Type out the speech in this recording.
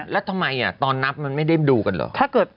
แล้วทำไมตอนนับมันไม่ได้ดูกันเหรอ